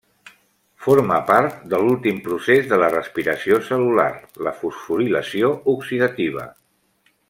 Forma part de l'últim procés de la respiració cel·lular, la fosforilació oxidativa.